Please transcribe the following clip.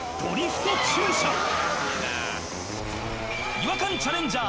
違和感チャレンジャー